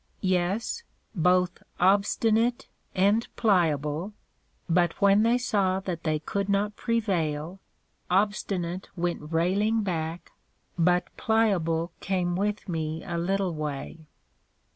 Yes, both Obstinate and Pliable; but when they saw that they could not prevail, Obstinate went railing back, but Pliable came with me a little way.